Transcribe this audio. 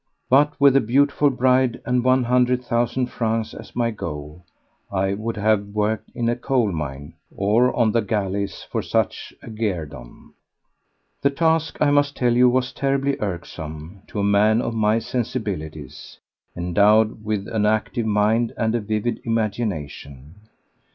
But with a beautiful bride and one hundred thousand francs as my goal I would have worked in a coal mine or on the galleys for such a guerdon. The task, I must tell you, was terribly irksome to a man of my sensibilities, endowed with an active mind and a vivid imagination.